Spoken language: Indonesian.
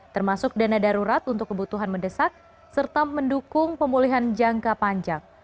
termasuk dana darurat untuk kebutuhan mendesak serta mendukung pemulihan jangka panjang